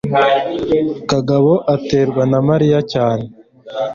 kagabo aterwa na mariya cyane